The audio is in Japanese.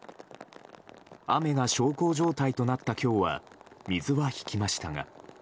雨が小康状態となった今日は水は引きましたが。